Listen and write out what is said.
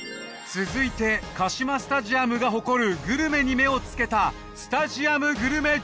続いて鹿島スタジアムが誇るグルメに目をつけた。